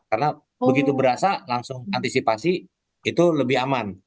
karena begitu berasa langsung antisipasi itu lebih aman